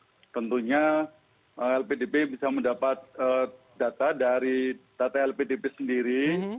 jadi tentunya lpdp bisa mendapat data dari data lpdp sendiri